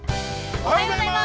◆おはようございます。